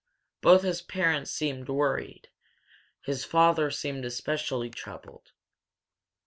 Both his parents seemed worried; his father seemed especially troubled.